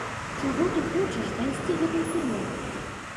Чаго ты хочаш дайсці гэтым судом?